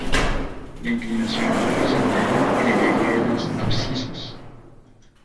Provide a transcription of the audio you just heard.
La inclinación es representada en el eje de las abscisas.